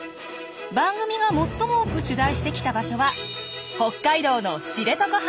番組が最も多く取材してきた場所は北海道の知床半島。